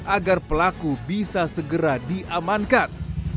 agar pelaku bisa segera diamankan